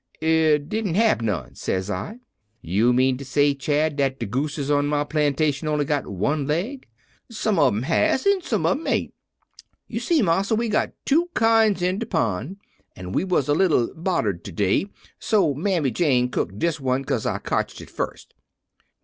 "'It didn't hab none,' says I. "'You mean ter say, Chad, dat de gooses on my plantation on'y got one leg?' "'Some ob 'em has an' some ob 'em ain't. You see, marsa, we got two kinds in de pond, an' we was a little boddered to day, so Mammy Jane cooked dis one 'cause I cotched it fust.'